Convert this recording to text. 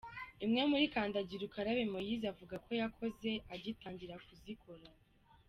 Imwe muri kandagira ukarabe Moise avuga ko yakoze agitangira kuzikora.